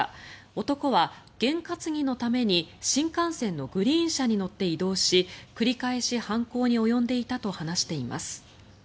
男はげん担ぎのために新幹線のグリーン車に乗って移動し繰り返し犯行に及んでいたと話しています。